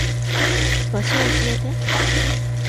場所教えて。